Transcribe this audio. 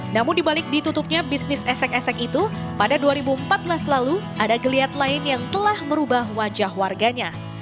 namun dibalik ditutupnya bisnis esek esek itu pada dua ribu empat belas lalu ada geliat lain yang telah merubah wajah warganya